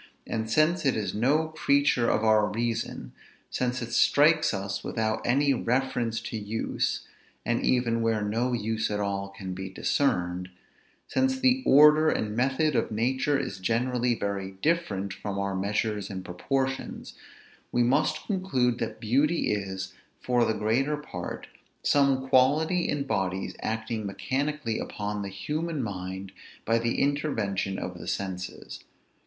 And since it is no creature of our reason, since it strikes us without any reference to use, and even where no use at all can be discerned, since the order and method of nature is generally very different from our measures and proportions, we must conclude that beauty is, for the greater part, some quality in bodies acting mechanically upon the human mind by the intervention of the senses.